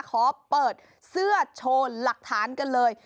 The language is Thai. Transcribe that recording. ขอเปิดเสื้อโชว์หลักฐานกันเลย